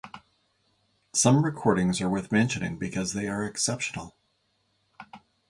Some recordings are worth mentioning because they are exceptional.